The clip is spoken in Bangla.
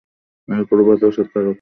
আমি প্রভাত-ঊষার তারকা।